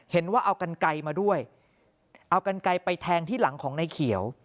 เห็นว่าเอากันไกลมาด้วยเอากันไกลไปแทงที่หลังของนายเขียว